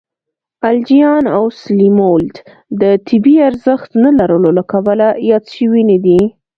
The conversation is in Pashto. الجیان او سلیمولد د طبی ارزښت نه لرلو له کبله یاد شوي نه دي.